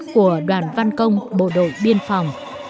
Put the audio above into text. của đoàn văn công bộ đội biên phòng